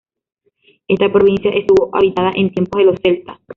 Esta provincia estuvo habitada en tiempos de los celtas.